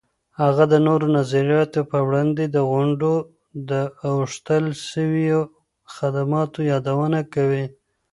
هغه د نورو نظریاتو په وړاندې د غونډو د اوښتل سویو خدماتو یادونه کوي.